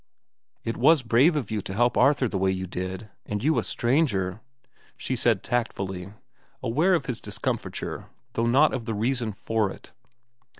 "It was brave of you to help Arthur the way you did—and you a stranger," she said tactfully, aware of his discomfiture though not of the reason for it.